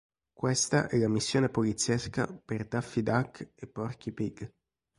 Questa è la missione poliziesca per Daffy Duck e Porky Pig.